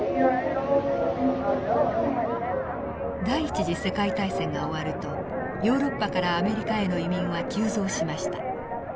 第一次世界大戦が終わるとヨーロッパからアメリカへの移民は急増しました。